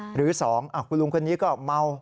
หรือ๒คุณลุงคนนี้ก็เมา